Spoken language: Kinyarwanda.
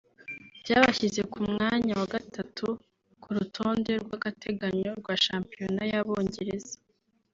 byabashyize ku mwanya wa gatatu ku rutonde rw’agateganyo rwa shampiyona y’Abongereza